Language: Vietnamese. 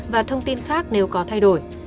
và thông tin khác nếu có thay đổi